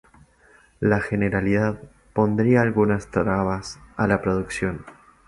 La Generalidad pondría algunas trabas a la producción.